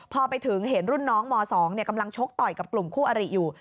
พอไปถึงเห็นรุ่นน้องม๒กำลังชกต่อยกับกลุ่มคู่อริอยู่